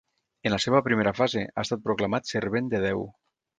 En la seva primera frase, ha estat proclamat servent de Déu.